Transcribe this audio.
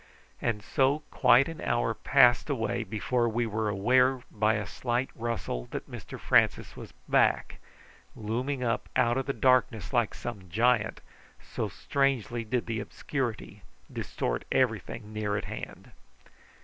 And so quite an hour passed away before we were aware by a slight rustle that Mr Francis was back, looming up out of the darkness like some giant, so strangely did the obscurity distort everything near at hand.